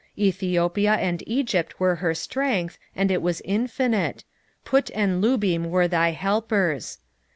3:9 Ethiopia and Egypt were her strength, and it was infinite; Put and Lubim were thy helpers.